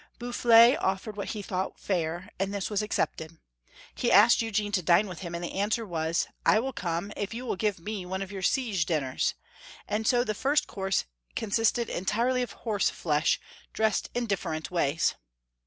Boufflers offered what he thought fair, and this was accepted. He asked Eugene to dine with him, and the answer was — "I will come if you will give me one of your siege dinners ;" and so the first course consisted entirely of horse flesh, dressed in differ ent ways.